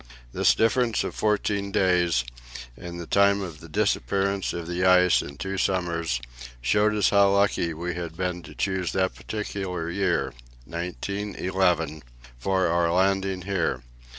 This difference of fourteen days in the time of the disappearance of the ice in two summers showed us how lucky we had been to choose that particular year 1911 for our landing here.